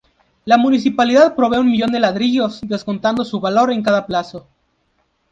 La Municipalidad provee un millón de ladrillos descontando su valor en cada plazo.